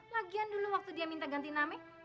lagian dulu waktu dia minta gantiin namanya